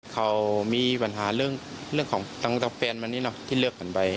เขามีปัญหาเรื่องเรื่องของเฟ้นเนี้ยเนี่ยที่เลือกกันไป